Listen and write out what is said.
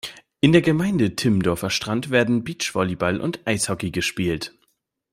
In der Gemeinde Timmendorfer Strand werden Beachvolleyball und Eishockey gespielt.